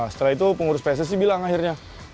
setelah itu pengurus pssi bilang akhirnya